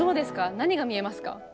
何が見えますか？